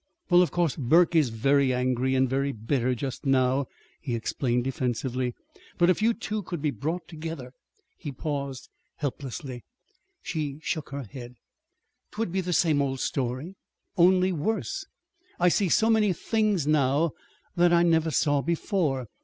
"Well, of course, Burke is very angry and very bitter, just now," he explained defensively. "But if you two could be brought together " He paused helplessly. She shook her head. "'Twould be the same old story only worse. I see so many things now that I never saw before.